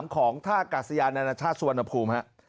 ของท่ากาศยานานาชาติสุวรรณภูมิ